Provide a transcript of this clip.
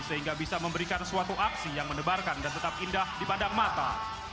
sehingga bisa memberikan suatu aksi yang mendebarkan dan tetap indah di padang mata